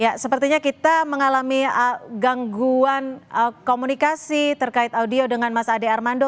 ya sepertinya kita mengalami gangguan komunikasi terkait audio dengan mas ade armando